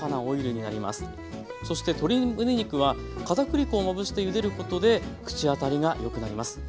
そして鶏むね肉は片栗粉をまぶしてゆでることで口当たりがよくなります。